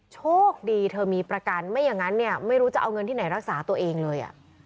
โชคดีเธอมีประกันไม่อย่างนั้นเนี่ยไม่รู้จะเอาเงินที่ไหนรักษาตัวเองเลย